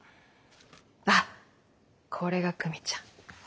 あっこれが久美ちゃん。